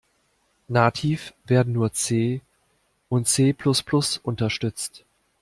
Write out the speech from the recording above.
Nativ werden nur C und C-plus-plus unterstützt.